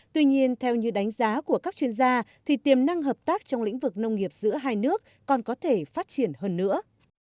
tuy nhiên theo như đánh giá của các chuyên gia thì tiềm năng hợp tác trong lĩnh vực nông nghiệp giữa hai nước còn có thể phát triển hơn nữa